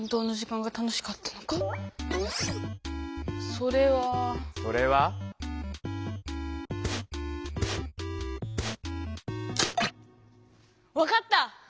それは。それは？分かった！